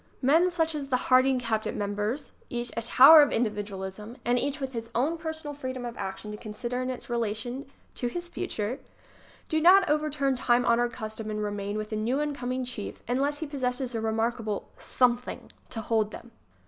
Men such as the Harding cabinet members, each a tower of individualism and each with his own per sonal freedom of action to consider in its relation to his future, do not overturn time honored custom and remain with a new in coming chief unless he possesses a remarkable something to hold them.